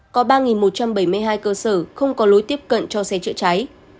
có ba một trăm bảy mươi hai cơ sở không có lối tiếp cận cho xe chữa cháy